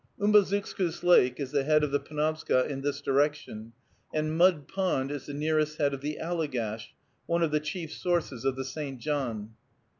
Umbazookskus Lake is the head of the Penobscot in this direction, and Mud Pond is the nearest head of the Allegash, one of the chief sources of the St. John.